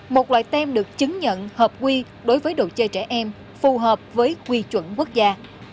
một loại tem được chứng nhận hợp quy đối với đồ chơi trẻ em phù hợp với quy chuẩn quốc gia